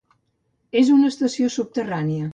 És una estació subterrània.